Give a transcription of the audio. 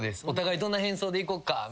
お互いどんな変装でいこっか？